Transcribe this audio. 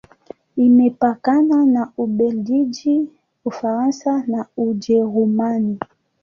Imepakana na Ubelgiji, Ufaransa na Ujerumani.